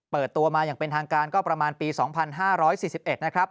เปิดตัวมาอย่างเป็นทางการก็ประมาณปี๒๕๔๑นะครับ